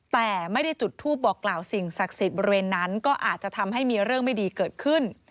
แต่ไม่ได้จุดทูปบอกกล่าวสิ่งศักดิ์สิทธิ์บริเวณนั้นก็อาจจะทำให้มีเรื่องไม่ดีเกิดขึ้น